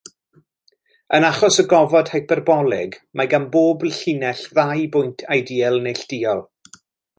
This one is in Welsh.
Yn achos y gofod hyperbolig, mae gan bob llinell ddau bwynt ideal neilltuol.